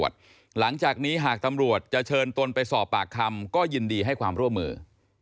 หลังจากนี้หากตำรวจจะเชิญตนไปสอบปากคำก็ยินดีให้ความร่วมมือ